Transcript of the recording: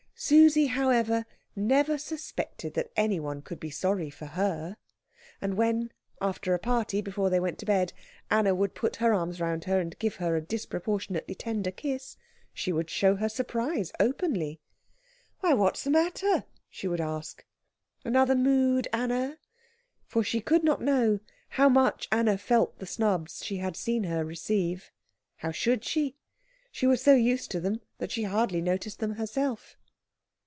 Susie, however, never suspected that anyone could be sorry for her; and when, after a party, before they went to bed, Anna would put her arms round her and give her a disproportionately tender kiss, she would show her surprise openly. "Why, what's the matter?" she would ask. "Another mood, Anna?" For she could not know how much Anna felt the snubs she had seen her receive. How should she? She was so used to them that she hardly noticed them herself.